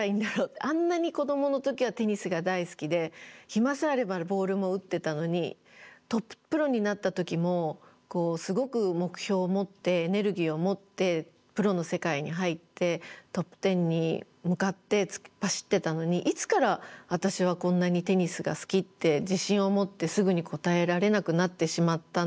あんなに子どもの時はテニスが大好きで暇さえあればボールも打ってたのにトッププロになった時もすごく目標を持ってエネルギーを持ってプロの世界に入ってトップ１０に向かって突っ走ってたのにいつから私はこんなにテニスが好きって自信を持ってすぐに答えられなくなってしまったんだろう。